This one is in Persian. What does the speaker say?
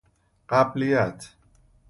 قبلیت